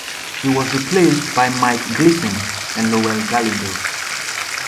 He was replaced by Mike Gleason and Lowell Galindo.